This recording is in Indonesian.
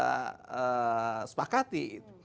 yang kita sepakati